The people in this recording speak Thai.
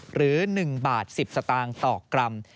หรือ๑บาท๑๐สตางค์ต่อกรัม